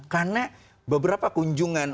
karena beberapa kunjungan